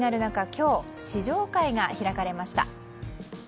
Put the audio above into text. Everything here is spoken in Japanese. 今日、試乗会が開かれました。